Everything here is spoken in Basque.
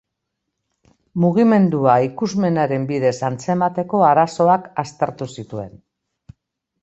Mugimendua ikusmenaren bidez antzemateko arazoak aztertu zituen.